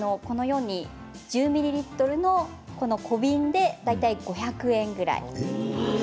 １０ミリリットルの小瓶で大体５００円くらい。